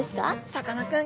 「さかなクン